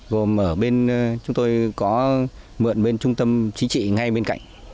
gồm ở bên chúng tôi có mượn bên trung tâm chính trị ngay bên cạnh